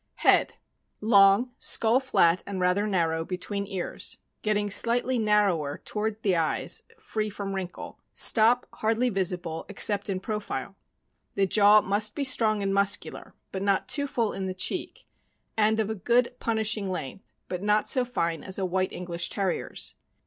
Head. — Long; skull flat, and rather narrow between ears, getting slightly narrower toward the eye; free from wrinkle; stop hardly visible, except in profile. The jaw must be strong and muscular, but not too full in the cheek, and of a good punishing length, but not so fine as a White English Terriers.